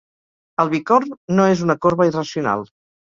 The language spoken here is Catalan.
El bicorn no és una corba irracional.